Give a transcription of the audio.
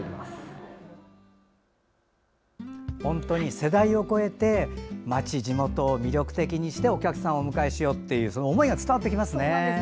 世代を越えて街、地元を魅力的にしてお客さんをお迎えしようという思いが伝わってきますね。